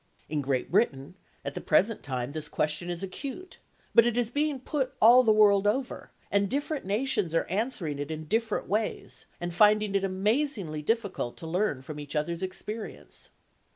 In Great Britain, at the present time, this question is acute; but it is being put all the world over, and different nations are answering it in different ways, and finding it amazingly difficult to learn from each other's experience.